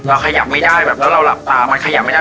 ขยับไม่ได้แบบแล้วเราหลับตามันขยับไม่ได้